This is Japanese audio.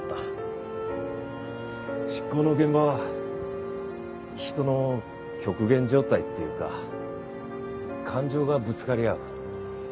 執行の現場は人の極限状態っていうか感情がぶつかり合う。